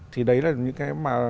thì đấy là những cái mà